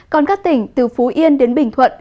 còn các tỉnh từ phú yên đến bình thuận